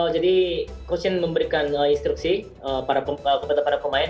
jadi coach shin memberikan instruksi kepada pemain